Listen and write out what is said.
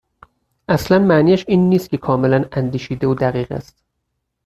اصلا معنی اش این نیست که کاملا اندیشیده و دقیق است.